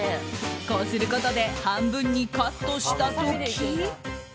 こうすることで半分にカットした時。